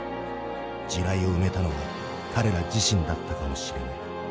地雷を埋めたのは彼ら自身だったかもしれない。